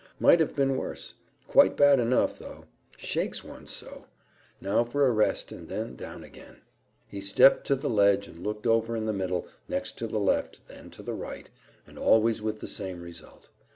"Might have been worse. Quite bad enough, though. Shakes one so. Now for a rest, and then down again." He stepped to the edge and looked over in the middle, next to the left, then to the right, and always with the same result.